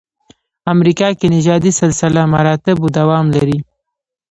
امریکا کې نژادي سلسله مراتبو دوام لري.